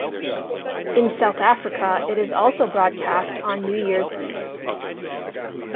In South Africa it is also broadcast on New Year's Eve.